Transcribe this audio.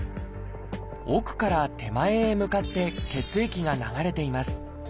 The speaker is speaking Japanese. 奥から手前へ向かって血液が流れています。